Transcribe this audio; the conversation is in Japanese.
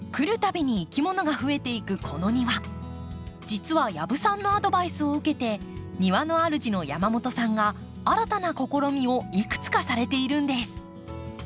実は養父さんのアドバイスを受けて庭の主の山本さんが新たな試みをいくつかされているんです。